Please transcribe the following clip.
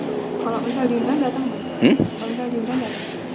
kalau bisa diundang datang pak